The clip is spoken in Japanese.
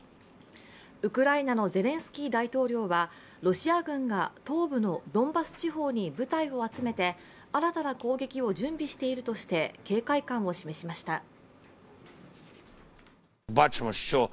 ウクライナのゼレンスキー大統領はロシア軍が東部のドンバス地方に部隊を集めて、新たな攻撃を準備しているとして警戒感を示しました。